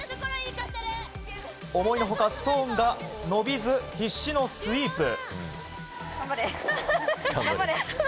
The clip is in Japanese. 思いの外ストーンが伸びず必死のスイープ。